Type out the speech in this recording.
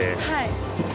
はい。